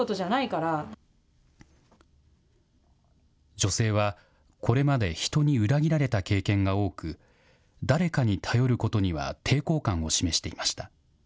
女性は、これまで人に裏切られた経験が多く、誰かに頼ることには抵抗感を示していました。